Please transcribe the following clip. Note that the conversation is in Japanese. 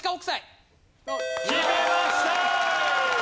決めました！